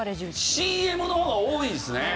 ＣＭの方が多いですね。